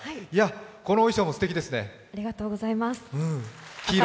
この衣装もすてきですね、黄色。